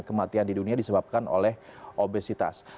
kematian di dunia disebabkan oleh obesitas